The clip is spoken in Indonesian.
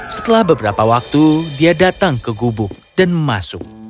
setelah beberapa waktu dia datang ke gubuk dan masuk